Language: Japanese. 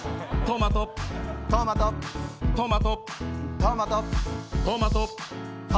トマトトマト